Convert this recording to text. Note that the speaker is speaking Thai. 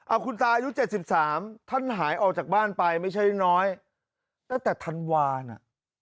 อาคุณตายุ๗๓ท่านหายออกจากบ้านไปไม่ใช่น้อยแต่แต่ธันวานะ